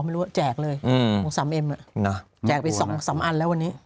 ไม่รู้ว่าแจกเลยของสามเอ็มแจกไปสองสามอันแล้ววันนี้